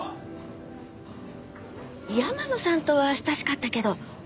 山野さんとは親しかったけど。